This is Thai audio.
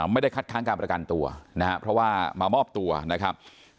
ไม่ได้คัดค้างการประกันตัวนะครับเพราะว่ามามอบตัวนะครับ